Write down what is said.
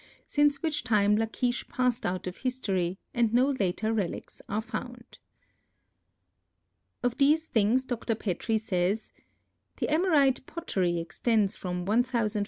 since which time Lachish passed out of history and no later relics are found. Of these things Dr. Petrie says: "The Amorite pottery extends from 1500 B.